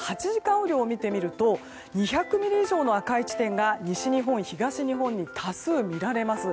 雨量を見てみると２００ミリ以上の赤い地点が西日本、東日本に多数見られます。